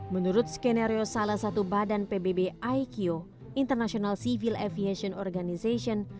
menurut skenario salah satu badan pbb iq international civil aviation organization